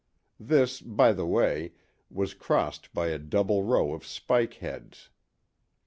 This, by the way, was crossed by a double row of spike heads.